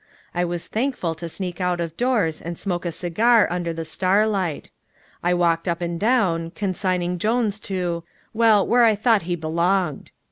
I was thankful to sneak out of doors and smoke a cigar under the starlight. I walked up and down, consigning Jones to well, where I thought he belonged.